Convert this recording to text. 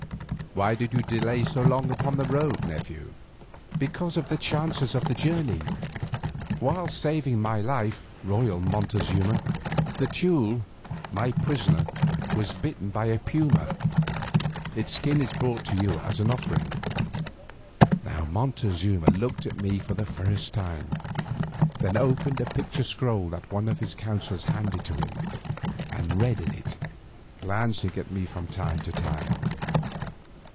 "Why did you delay so long upon the road, nephew?" "Because of the chances of the journey; while saving my life, royal Montezuma, the Teule my prisoner was bitten by a puma. Its skin is brought to you as an offering." Now Montezuma looked at me for the first time, then opened a picture scroll that one of the counsellors handed to him, and read in it, glancing at me from time to time.